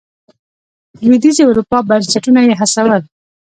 لوېدیځې اروپا بنسټونه یې هڅول.